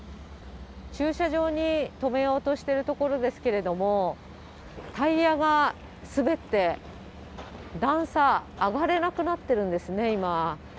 駐車場に止めようしているところですけれども、タイヤが滑って、段差、上がれなくなってるんですね、今。